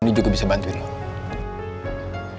ini juga bisa bantuinmu